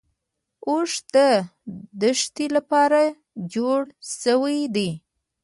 اوښ د دښتې لپاره جوړ شوی دی